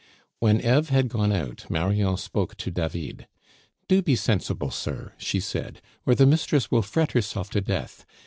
When Eve had gone out, Marion spoke to David. "Do be sensible, sir," she said, "or the mistress will fret herself to death.